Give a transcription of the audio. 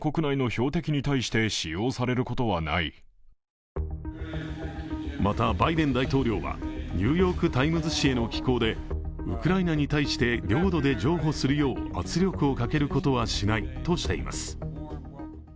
ただしまたバイデン大統領は「ニューヨーク・タイムズ」紙への寄稿でウクライナに対して領土で譲歩するよう圧力をかけることはしないとしています。